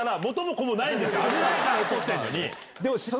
⁉危ないから怒ってんのに。